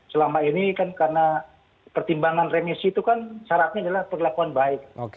selama ini kan karena pertimbangan remisi itu kan syaratnya adalah perlakuan baik